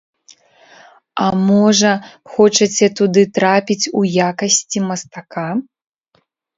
А можа, хочаце туды трапіць у якасці мастака?